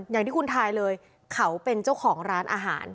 อย่างที่คุณทายเลยเขาเป็นเจ้าของร้านอาหาร